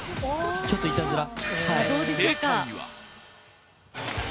ちょっといたずら。